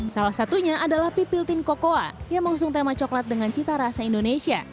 salah satunya adalah pipiltin kokoa yang mengusung tema coklat dengan cita rasa indonesia